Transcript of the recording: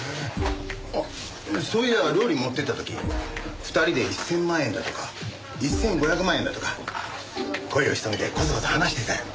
あっそういや料理持っていった時２人で１０００万円だとか１５００万円だとか声を潜めてコソコソ話していたよ。